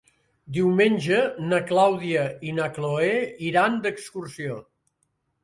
Diumenge na Clàudia i na Cloè iran d'excursió.